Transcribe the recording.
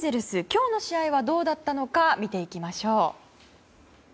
今日の試合はどうだったのか見ていきましょう。